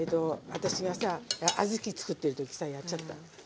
私がさ小豆作ってる時さやっちゃった。